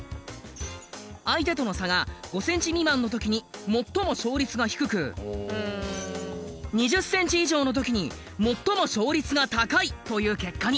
相手との差が５センチ未満の時に最も勝率が低く２０センチ以上の時に最も勝率が高いという結果に。